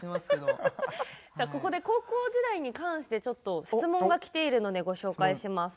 ここで高校時代に関して質問がきているのでご紹介します。